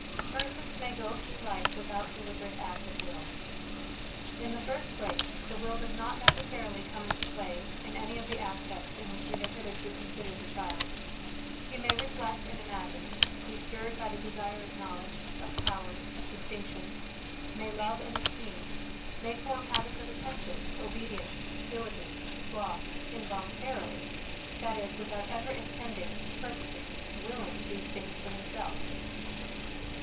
Persons may go through life without deliber ate act of Will. In the first place, the will does not necessarily come into play in any of the aspects in which we have hitherto considered the child. lie may reflect and imagine; be stirred by the desire of knowledge, of power, of distinction ; may love and esteem ; may form habits of attention, obedience, diligence, sloth, involuntarily that is, without ever intending, purposing, willing these things for himself.